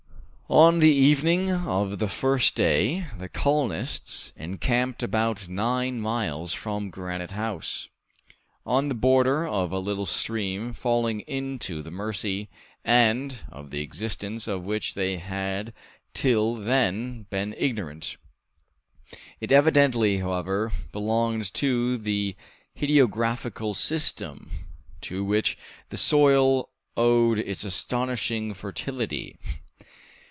On the evening of the first day the colonists encamped about nine miles from Granite House, on the border of a little stream falling into the Mercy, and of the existence of which they had till then been ignorant; it evidently, however, belonged to the hydiographical system to which the soil owed its astonishing fertility.